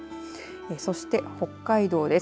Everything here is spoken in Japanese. そして北海道です。